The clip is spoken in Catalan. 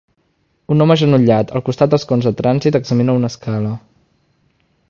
Un home agenollat al costat els cons de trànsit examina una escala.